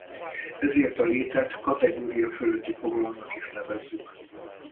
Ezért a létet kategória fölötti fogalomnak is nevezzük.